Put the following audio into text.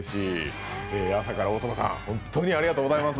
朝から大友さん、本当にありがとうございます。